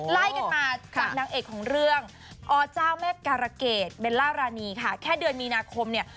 ไล่กันมาจากนางเอกของเรื่องอเจ้าแม่การะเกดเบลล่ารานีค่ะแค่เดือนมีนาคมเนี่ย